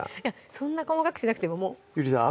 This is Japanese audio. そんな細かくしなくてももうゆりさん